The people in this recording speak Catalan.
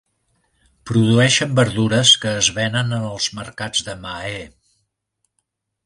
Produeixen verdures que es venen en els mercats de Mahé.